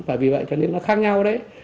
và vì vậy cho nên nó khác nhau đấy